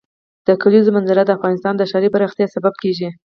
د کلیزو منظره د افغانستان د ښاري پراختیا سبب کېږي.